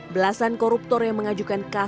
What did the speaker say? belasan koruptor yang mengajukan kasasi berharapnya